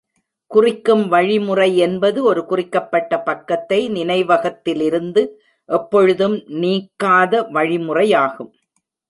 குறிக்கும் வழிமுறை என்பது ஒரு குறிக்கப்பட்ட பக்கத்தை நினைவகத்திலிருந்து எப்பொழுதும் நீக்காத வழிமுறையாகும்.